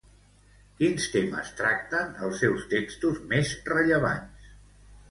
Quins temes tracten els seus textos més rellevants?